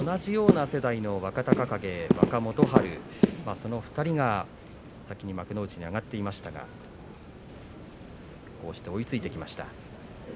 同じような世代の若隆景と若元春その２人が先に幕内に上がっていましたがこうして追いついてきました。